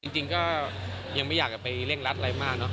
จริงก็ยังไม่อยากจะไปเร่งรัดอะไรมากเนอะ